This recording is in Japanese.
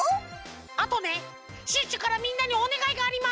あとねシュッシュからみんなにおねがいがあります。